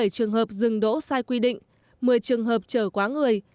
hai mươi bảy trường hợp dừng đỗ sai quy định một mươi trường hợp trở quán